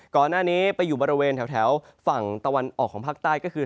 ก่อนหน้านี้ไปอยู่บริเวณแถวฝั่งตะวันออกของภาคใต้ก็คือ